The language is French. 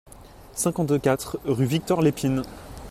cinquante-quatre rue Victor Lépine